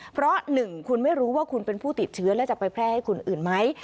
เพราะ๑คุณไม่รู้ว่าคุณเป็นผู้ติดเชื้อแล้วจะไปแพร่ให้คนอื่นไหม